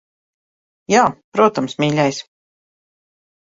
Jā, protams, mīļais.